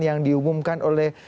yang diumumkan oleh